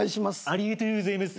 ありがとうございます。